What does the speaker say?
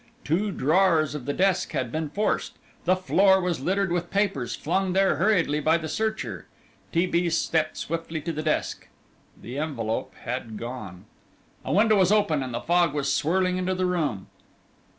Two drawers of the desk had been forced; the floor was littered with papers flung there hurriedly by the searcher. T. B. stepped swiftly to the desk the envelope had gone. A window was open and the fog was swirling into the room.